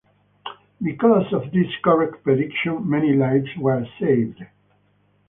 Because of this correct prediction, many lives were saved.